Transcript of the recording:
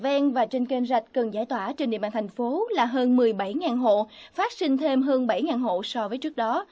ven và trên kênh rạch cần giải tỏa trên địa bàn thành phố là hơn một mươi bảy hộ phát sinh thêm hơn bảy hộ so với trước đó